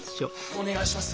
お願いします！